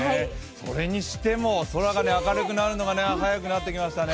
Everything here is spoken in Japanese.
それにしても空が明るくなるのが早くなってきましたね。